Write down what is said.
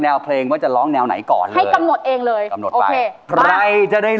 อ่าเขาบอกให้จับพร้อมกันนี่